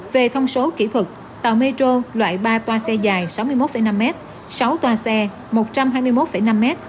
về thông số kỹ thuật tàu metro loại ba toa xe dài sáu mươi một năm m sáu toa xe một trăm hai mươi một năm m